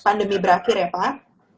pandemi berakhir ya pak